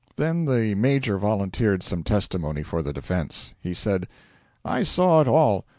Then the Major volunteered some testimony for the defence. He said: 'I saw it all.